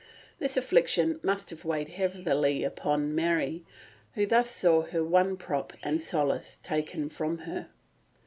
This affliction must have weighed terribly upon Mary, who thus saw her one prop and solace taken from her.